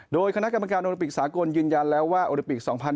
โดยคณะกรรมการโอลิปิกสากลยืนยันแล้วว่าโอลิปิก๒๐๑๖